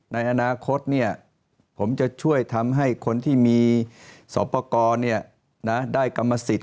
ในอนาคตผมจะช่วยทำให้คนที่มีสอบประกอบได้กรรมสิทธิ